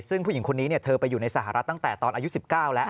ซึ่งผู้หญิงคนนี้เธอไปอยู่ในสหรัฐตั้งแต่ตอนอายุ๑๙แล้ว